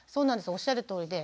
おっしゃるとおりで。